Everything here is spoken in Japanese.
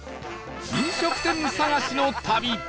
飲食店探しの旅！